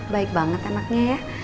baik banget anaknya ya